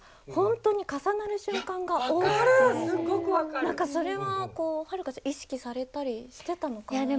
何かそれは遥ちゃん意識されたりしてたのかなと。